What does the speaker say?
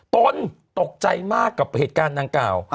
ตนตกใจมากกับเหตุการณ์ดังกล่าว